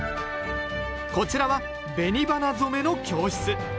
こちらは紅花染めの教室